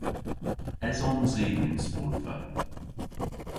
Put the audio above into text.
Esons i y'n sportva?